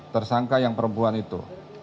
tersangka yang perempuan itu